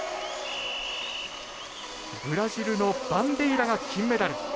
ブラジルのバンデイラが金メダル。